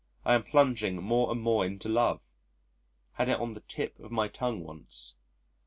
I am plunging more and more into love. Had it on the tip of my tongue once.